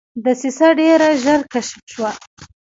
دسیسه ډېره ژر کشف شوه.